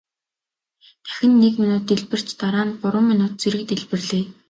Дахин нэг мин дэлбэрч дараа нь гурван мин зэрэг дэлбэрлээ.